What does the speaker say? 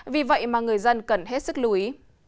vì vậy mà người dân cần hết sức lưu ý